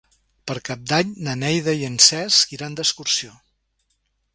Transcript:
Per Cap d'Any na Neida i en Cesc iran d'excursió.